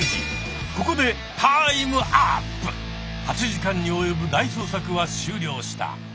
８時間に及ぶ大捜索は終了した。